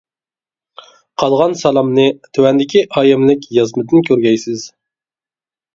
قالغان سالامنى تۆۋەندىكى ئايەملىك يازمىدىن كۆرگەيسىز!